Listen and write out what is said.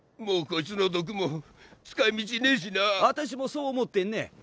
もうこいつの毒も使い道ねえしな私もそう思ってね